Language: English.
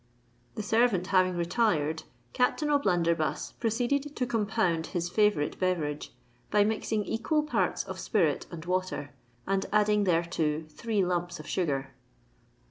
The servant having retired, Captain O'Blunderbuss proceeded to compound his favourite beverage by mixing equal parts of spirit and water, and adding thereto three lumps of sugar.